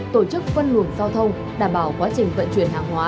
tổ chức phân luồng giao thông đảm bảo quá trình vận chuyển hàng hóa